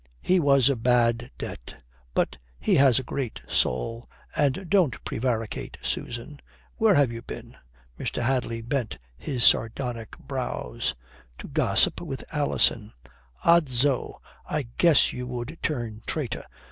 "He was a bad debt. But he has a great soul. And don't prevaricate, Susan. Where have you been?" Mr. Hadley bent his sardonic brows. "To gossip with Alison." "Odso, I guessed you would turn traitor."